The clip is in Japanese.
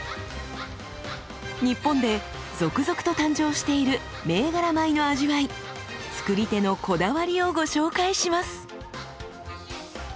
日本で続々と誕生している銘柄米の味わい作り手のこだわりをご紹介します。